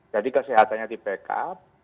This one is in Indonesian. jadi kesehatannya di backup